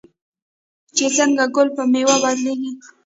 چې څنګه ګل په میوه بدلیږي.